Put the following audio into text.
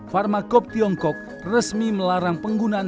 pharmacop tiongkok resmi melarang penggunaan